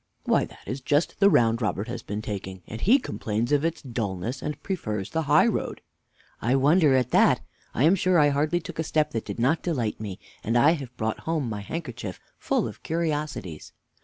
A._ Why, that is just the round Robert has been taking, and he complains of its dullness, and prefers the highroad. W. I wonder at that. I am sure I hardly took a step that did not delight me, and I have brought home my handkerchief full of curiosities.